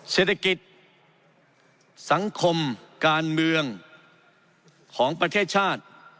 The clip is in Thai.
เศรษฐกิจสังคมการเมืองของประเทศชาติ